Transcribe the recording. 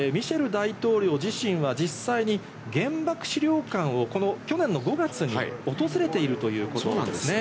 大統領自身は実際に原爆資料館を去年の５月に訪れているということですね。